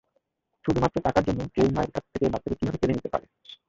শুধু মাত্র টাকার জন্য, কেউ মায়ের কাছ থেকে বাচ্চাকে কিভাবে কেড়ে নিতে পারে?